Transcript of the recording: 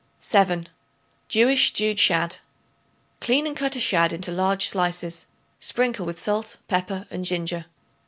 7. Jewish Stewed Shad. Clean and cut a shad into large slices; sprinkle with salt, pepper and ginger.